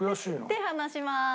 手離します。